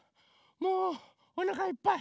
もうおなかいっぱい。